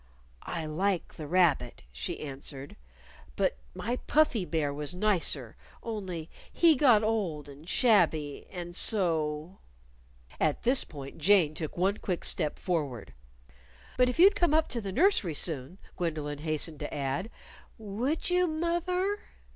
"I like the rabbit," she answered, "but my Puffy Bear was nicer, only he got old and shabby, and so " At this point Jane took one quick step forward. "But if you'd come up to the nursery soon," Gwendolyn hastened to add. "Would you, moth er?"